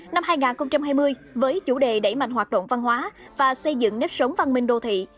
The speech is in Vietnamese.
năm hai nghìn hai mươi với chủ đề đẩy mạnh hoạt động văn hóa và xây dựng nếp sống văn minh đô thị